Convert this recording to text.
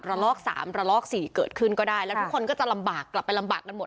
ลอกสามระลอกสี่เกิดขึ้นก็ได้แล้วทุกคนก็จะลำบากกลับไปลำบากกันหมด